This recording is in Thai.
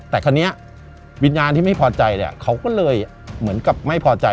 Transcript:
แต่คราวนี้วิญญาณที่ไม่พอใจเนี่ยเขาก็เลยเหมือนกับไม่พอใจ